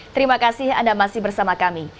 terima kasih anda masih bersama kami